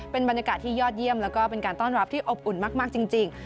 เป็นบรรยากาศที่ยอดเยี่ยมแล้วก็เป็นการต้อนรับที่อบอุ่นมากจริง